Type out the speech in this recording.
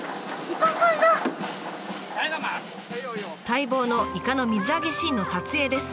待望のイカの水揚げシーンの撮影です。